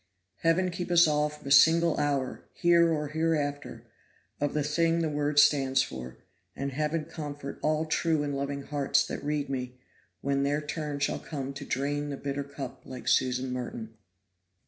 Heaven keep us all from a single hour, here or hereafter, of the thing the Word stands for; and Heaven comfort all true and loving hearts that read me, when their turn shall come to drain the bitter cup like Susan Merton.